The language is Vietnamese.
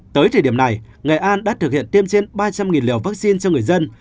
tới thời điểm này nghệ an đã thực hiện tiêm trên ba trăm linh liều vaccine cho người dân